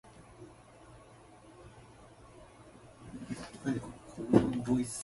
ベナンの憲法上の首都はポルトノボである